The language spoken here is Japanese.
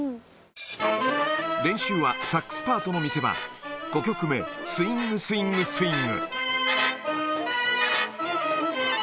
練習はサックスパートの見せ場、５曲目、スイング・スイング・スイング。